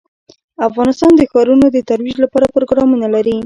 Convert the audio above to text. افغانستان د ښارونو د ترویج لپاره پروګرامونه لري.